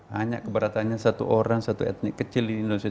hanya keberatannya satu orang satu etnik kecil di indonesia